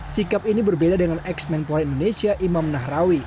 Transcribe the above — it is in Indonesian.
sikap ini berbeda dengan ex menpora indonesia imam nahrawi